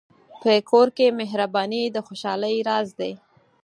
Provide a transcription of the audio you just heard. په کور کې مهرباني د خوشحالۍ راز دی.